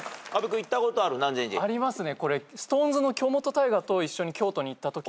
ありますね。